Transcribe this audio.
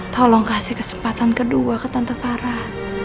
tolong kasih kesempatan kedua ke tante parah